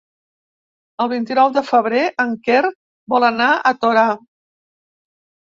El vint-i-nou de febrer en Quer vol anar a Torà.